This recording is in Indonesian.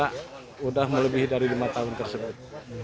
pak udah melebihi dari lima tahun tersebut